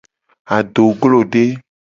Adoglode.